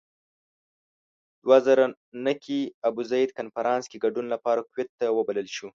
دوه زره نهه کې ابوزید کنفرانس کې ګډون لپاره کویت ته وبلل شو.